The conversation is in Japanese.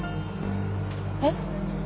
えっ？